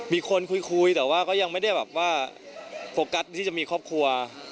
มีคนคุยแต่ว่าก็ยังไม่ได้แบบว่าโฟกัสที่จะมีครอบครัว